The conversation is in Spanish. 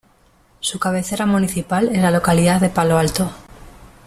Su cabecera municipal es la localidad de Palo Alto.